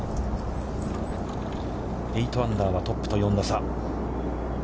８アンダーはトップと４打差。